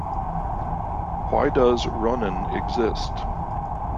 Why does Ronin exist?